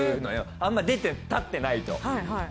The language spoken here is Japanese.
あんま出て立ってないと。